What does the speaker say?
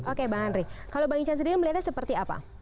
oke bang andri kalau bang ican sendiri melihatnya seperti apa